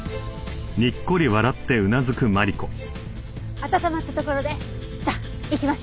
温まったところでさあ行きましょう！